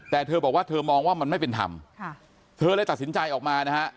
แต่เธอบอกว่าเธอมองว่ามันไม่เป็นธรรมเธอเลยตัดสินใจออกมานะฮะ